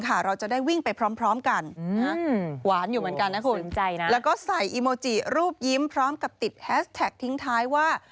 แล้วก็ใส่อีโมจิรูปยิ้มพร้อมกับติดแฮสแท็กทิ้งท้ายว่า